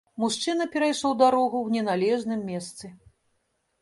Мужчына перайшоў дарогу ў неналежным месцы.